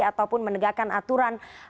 ataupun menegakkan aturan